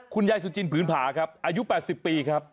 คุณยายสุจินผืนผาครับอายุ๘๐ปีครับ